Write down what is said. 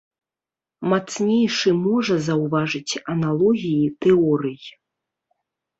Мацнейшы можа заўважыць аналогіі тэорый.